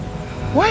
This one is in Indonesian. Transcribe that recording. gak bisa diner